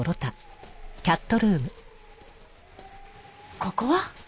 ここは？